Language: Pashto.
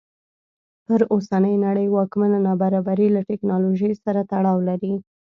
پر اوسنۍ نړۍ واکمنه نابرابري له ټکنالوژۍ سره تړاو لري.